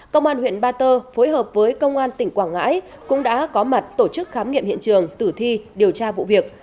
công an huyện ba tơ phối hợp với công an tỉnh quảng ngãi cũng đã có mặt tổ chức khám nghiệm hiện trường tử thi điều tra vụ việc